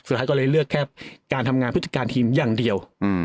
สุดท้ายก็เลยเลือกแค่การทำงานพฤติการทีมอย่างเดียว